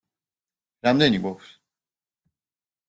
რამდენი გვაქვს?